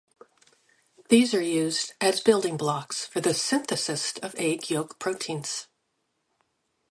These are used as building blocks for the synthesis of egg yolk proteins.